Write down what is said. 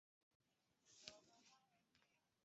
不过后来威灵顿公爵的雕像被移至奥尔德肖特。